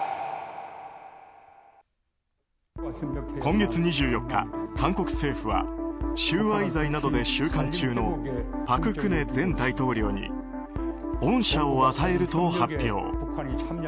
今月２４日、韓国政府は収賄罪などで収監中の朴槿惠前大統領に恩赦を与えると発表。